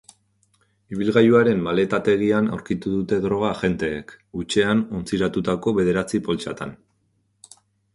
Ibilgailuaren maletategian aurkitu dute droga agenteek, hutsean ontziratutako bederatzi poltsatan.